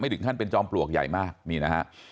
ถึงขั้นเป็นจอมปลวกใหญ่มากนี่นะฮะ